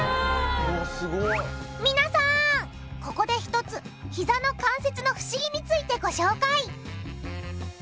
皆さんここでひとつひざの関節の不思議についてご紹介！